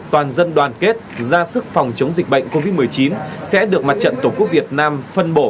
toàn dân đoàn kết ra sức phòng chống dịch bệnh covid một mươi chín sẽ được mặt trận tổ quốc việt nam phân bổ